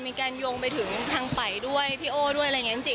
มีการโยงไปถึงทางไปด้วยพี่โอ้ด้วยอะไรอย่างนี้จริง